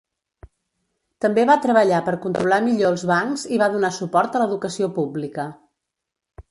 També va treballar per controlar millor els bancs i va donar suport a l'educació pública.